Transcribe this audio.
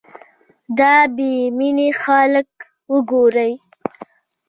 دا بې مينې خلک وګوره